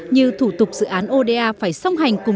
như thủ tục dự án oda phải song hành